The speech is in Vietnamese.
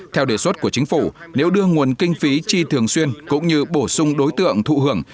theo đề xuất của chính phủ nếu đưa nguồn kinh phí chi thường xuyên cũng như bổ sung đối tượng thụ hưởng